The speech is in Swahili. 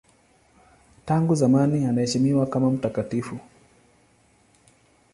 Tangu zamani anaheshimiwa kama mtakatifu.